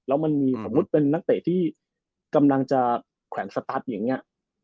แล้วมันมีสมมุติเป็นนักเตะที่กำลังจะแขวนสตัสอย่างนี้